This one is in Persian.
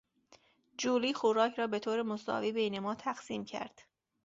جولی خوراک را بطور مساوی بین ما تقسیم کرد.